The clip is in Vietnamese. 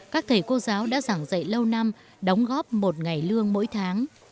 các thầy cô giáo đã giảng dạy lâu năm đóng góp một ngày lương mỗi tháng